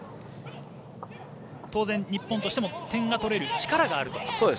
当然、日本としても点を取れる力があると。